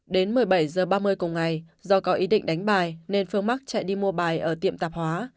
đến một mươi bảy h ba mươi cùng ngày do có ý định đánh bài nên phương mắc chạy đi mua bài ở tiệm tạp hóa